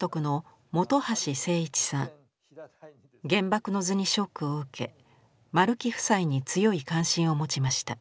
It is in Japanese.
「原爆の図」にショックを受け丸木夫妻に強い関心を持ちました。